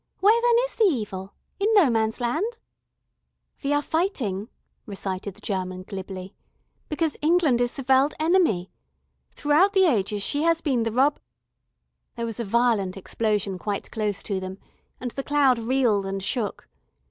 Where then is the Evil? In No Man's Land?" "We are fighting," recited the German glibly, "because England is the World Enemy. Throughout the ages she has been the Rob " There was a violent explosion quite close to them, and the cloud reeled and shook.